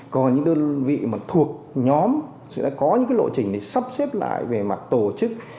còn những đơn vị mà thuộc nhóm sẽ có những cái lộ trình để sắp xếp lại về mặt tổ chức